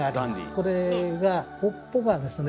これが尾っぽがですね